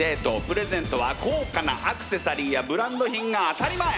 プレゼントは高価なアクセサリーやブランド品が当たり前。